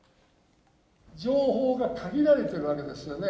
情報が限られているわけですよね。